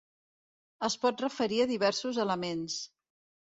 Es pot referir a diversos elements.